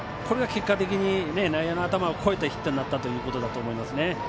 これが結果的に内野の頭を越えてヒットになったということだと思います。